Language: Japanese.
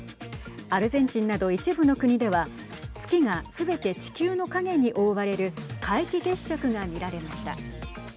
アルゼンチンなど、一部の国では月がすべて地球の影に覆われる皆既月食が見られました。